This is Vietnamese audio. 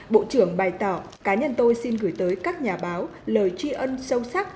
bộ trưởng bày tỏ cá nhân tôi xin gửi tới các nhà báo lời tri ân sâu sắc